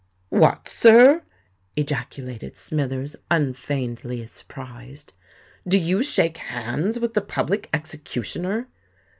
"What, sir!" ejaculated Smithers, unfeignedly surprised; "do you shake hands with the Public Executioner?"